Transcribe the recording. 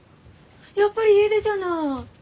やっぱり家出じゃない！